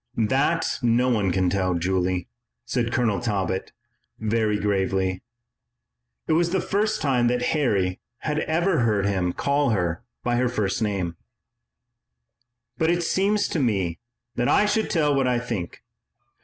"That no one can tell, Julie," said Colonel Talbot very gravely it was the first time that Harry had ever heard him call her by her first name "but it seems to me that I should tell what I think.